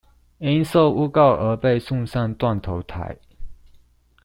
因受誣告而被送上斷頭臺